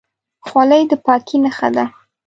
خولۍ د پاکۍ نښه ده.